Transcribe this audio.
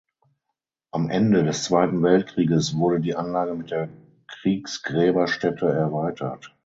Am Ende des Zweiten Weltkrieges wurde die Anlage mit der Kriegsgräberstätte erweitert.